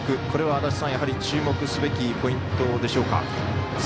これは足達さんやはり注目すべきポイントでしょうか？